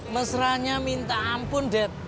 mesra nya minta ampun det